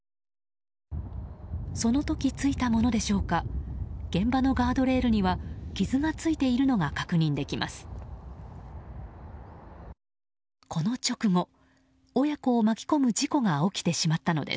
その時、ついたものでしょうか現場のガードレールには傷がついているのが確認できます。